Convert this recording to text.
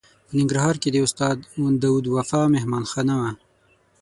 په ننګرهار کې د استاد داود وفا مهمانه خانه وه.